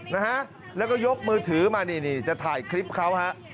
นะฮะแล้วก็ยกมือถือมานี่นี่จะถ่ายคลิปเขาฮะ